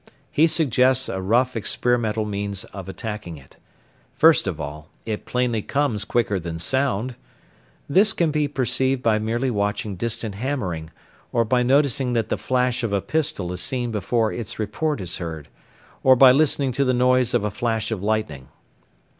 He suggests a rough experimental means of attacking it. First of all, it plainly comes quicker than sound. This can be perceived by merely watching distant hammering, or by noticing that the flash of a pistol is seen before its report is heard, or by listening to the noise of a flash of lightning.